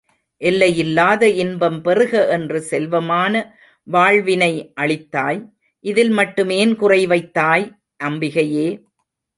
எல்லையில்லாத இன்பம் பெறுக என்று செல்வமான வாழ்வினை அளித்தாய் இதில் மட்டும் ஏன் குறை வைத்தாய்? அம்பிகையே!